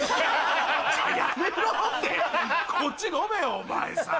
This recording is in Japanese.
じゃやめろってこっち飲めよお前さ。